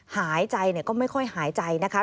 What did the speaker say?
หายใจก็ไม่ค่อยหายใจนะคะ